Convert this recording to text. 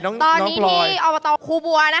ตอนนี้ที่อบตคูบัว